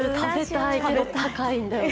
高いんだよな。